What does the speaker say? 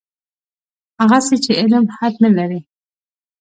هغسې چې علم حد نه لري.